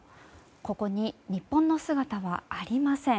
ここに日本の姿はありません。